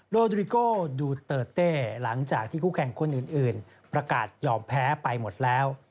โดยดริโก้ดูเตอร์เต้หลังจากที่คู่แข่งคนอื่นประกาศยอมแพ้ไปหมดแล้ว